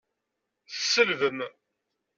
Tselbem.